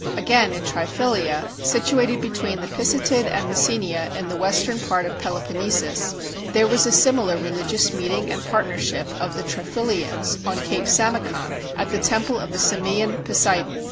Again, in Triphylia, situated between the Pisatid and Messenia in the western part of Peloponnesus, there was a similar religious meeting and partnership of the Triphylians on Cape Samicon, at the temple of the Samian Poseidon.